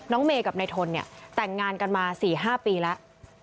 เมย์กับนายทนเนี่ยแต่งงานกันมา๔๕ปีแล้ว